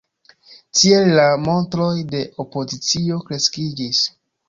Tiele la montroj de opozicio kreskiĝis.